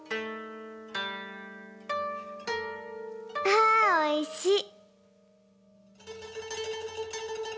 あおいしい。